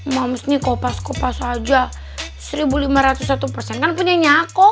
mams nih kopas kopas aja seribu lima ratus satu persen kan punya nyako